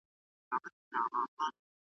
د غیرت او د ناموس خبره ولاړه .